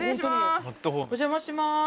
お邪魔します。